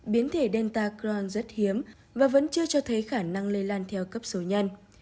biến thể delta cron rất hiếm và vẫn chưa cho thấy khả năng lây lan theo cấp số nhân